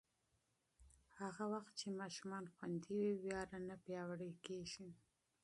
هغه مهال چې ماشومان خوندي وي، ویره نه پیاوړې کېږي.